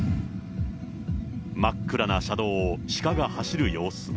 真っ暗な車道を鹿が走る様子も。